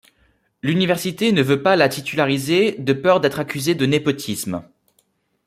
L'université ne veut pas la titulariser de peur d'être accusée de népotisme.